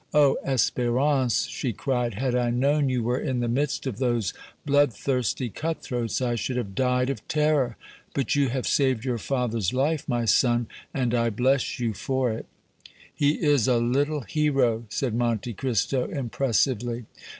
"Oh! Espérance," she cried, "had I known you were in the midst of those bloodthirsty cut throats I should have died of terror! But you have saved your father's life, my son, and I bless you for it!" "He is a little hero," said Monte Cristo, impressively.